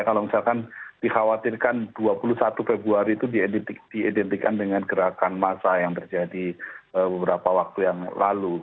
kalau misalkan dikhawatirkan dua puluh satu februari itu diidentikan dengan gerakan massa yang terjadi beberapa waktu yang lalu